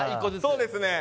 そうですね